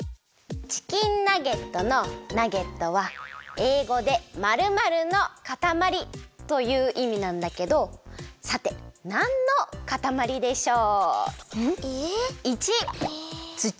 チキンナゲットの「ナゲット」は英語で「○○のかたまり」といういみなんだけどさてなんのかたまりでしょう？